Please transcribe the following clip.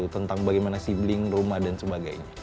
tentang bagaimana sibling rumah dan sebagainya